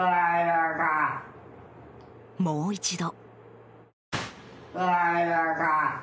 もう一度。